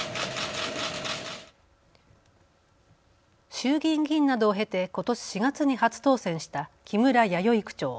衆議院議員などを経てことし４月に初当選した木村弥生区長。